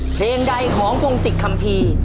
เพลงใดของพงศิษยคัมภีร์